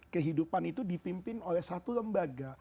kehidupan itu dipimpin oleh satu lembaga